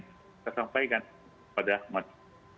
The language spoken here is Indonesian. kita sampaikan pada mati